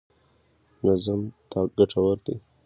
نظم ګټور دی.